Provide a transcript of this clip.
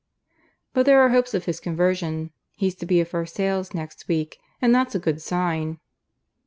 "But there are hopes of his conversion. He's to be at Versailles next week; and that's a good sign."